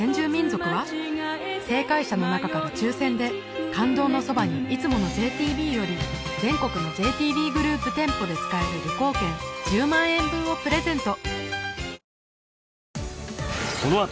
正解者の中から抽選で「感動のそばに、いつも。」のＪＴＢより全国のＪＴＢグループ店舗で使える旅行券１０万円分をプレゼント！